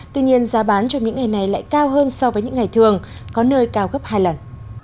tuy nhiên giá bán trong những ngày này lại cao hơn so với những ngày thường có nơi cao gấp hai lần